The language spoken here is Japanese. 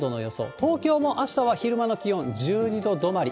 東京もあしたは昼間の気温１２度止まり。